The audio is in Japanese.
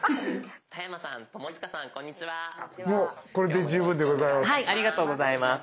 もうこれで十分でございます。